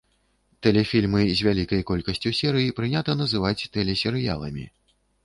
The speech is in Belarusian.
Тэлефільмы з вялікай колькасцю серый прынята называць тэлесерыяламі.